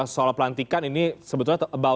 soal pelantikan ini sebetulnya